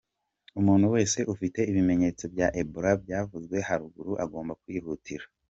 Umuntu wese ufite ibimenyetso bya Ebola byavuzwe haruguru agomba kwihutira .